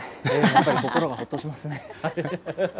やっぱり心がほっとしますね。